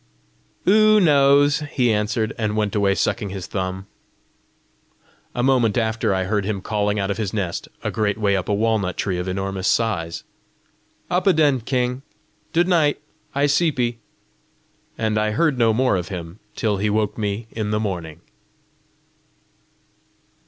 "Oo knows!" he answered, and went away sucking his thumb. A moment after, I heard him calling out of his nest, a great way up a walnut tree of enormous size, "Up adain, king! Dood night! I seepy!" And I heard no more of him till he woke me in the morning.